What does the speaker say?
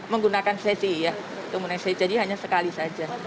menggunakan sesi ya komunisi jadi hanya sekali saja